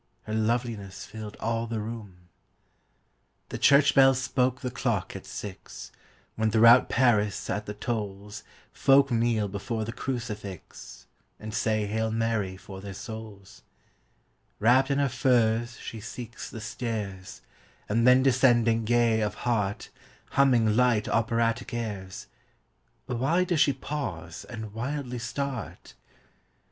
Her loveliness filled all the room. The church bells spoke the clock at six, When throughout Paris at the tolls Folk kneel before the crucifix, And say " Hail Mary " for their souls Wrapped in her furs she seeks the stairs, And then descending gay of heart, Humming light operatic airs Why does she pause and wildly start